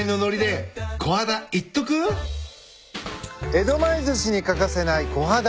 江戸前ずしに欠かせないコハダ。